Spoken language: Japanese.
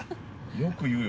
よく言うよ。